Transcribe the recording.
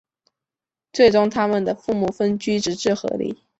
最终他们的父母分居直至和离。